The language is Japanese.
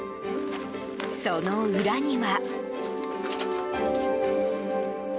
その裏には。